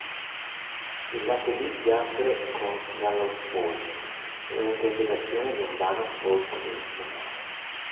Il lato B si apre con "Gallows Pole", reinterpretazione di un brano folk tradizionale.